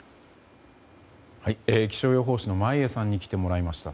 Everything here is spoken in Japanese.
気象予報士の眞家さんに来てもらいました。